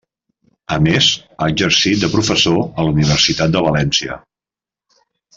A més, ha exercit de professor a la Universitat de València.